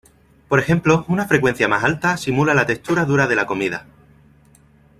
Por ejemplo una frecuencia más alta simula la textura dura de la comida.